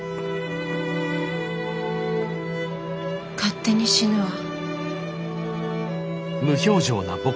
勝手に死ぬわ。